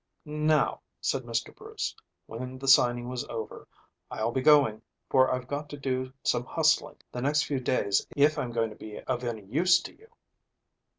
"Now," said Mr. Bruce, when the signing was over, "I'll be going, for I've got to do some hustling the next few days if I am going to be of any use to you."